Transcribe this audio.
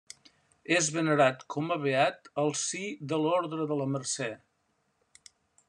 És venerat com a beat al si de l'Orde de la Mercè.